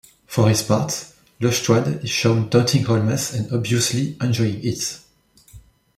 For his part, Lestrade is shown taunting Holmes and obviously enjoying it.